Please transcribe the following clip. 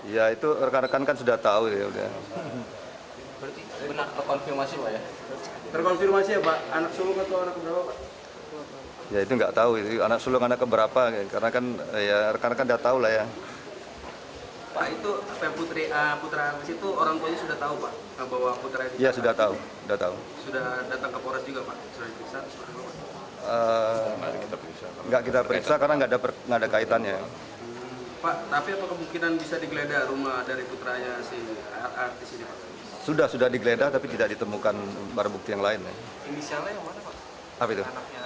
pemilikan senjata api ilegal berinisial adg berhasil menjelaskan kemampuan penyelamat